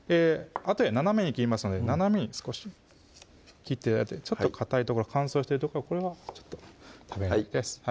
あとで斜めに切りますので斜めに少し切って頂いてちょっとかたい所乾燥してる所はこれは食べないです